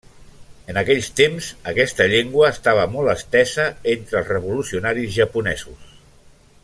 En aquells temps, aquesta llengua estava molt estesa entre els revolucionaris japonesos.